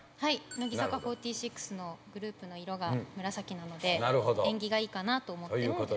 乃木坂４６のグループの色が紫なので縁起がいいかなと思って選びました。